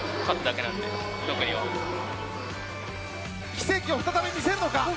奇跡を再び見せるのか？